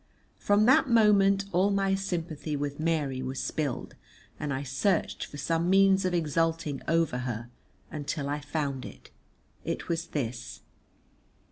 From that moment all my sympathy with Mary was spilled, and I searched for some means of exulting over her until I found it. It was this.